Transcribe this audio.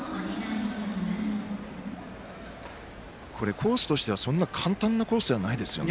コースとしては、そんなに簡単なコースではないですよね。